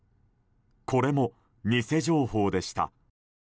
これも、偽情報でした。